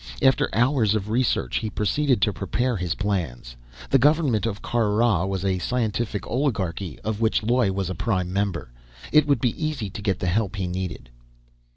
After hours of research, he proceeded to prepare his plans. The government of Kar Rah was a scientific oligarchy, of which Loy was a prime member. It would be easy to get the help he needed.